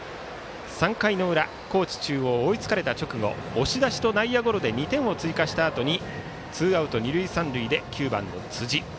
３回の裏、高知中央追いつかれた直後押し出しと内野ゴロで２点を追加したあとにツーアウト二塁三塁で９番の辻。